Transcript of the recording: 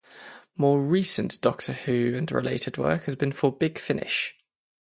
More recent "Doctor Who" and related work has been for Big Finish.